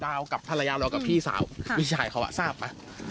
ดาวกับภรรยาเรากับพี่สาวค่ะมีชายเขาอ่ะทราบไหมยังไม่รู้อะไร